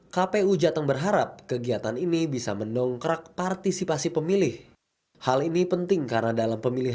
kpu jawa tengah